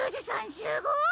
すごい！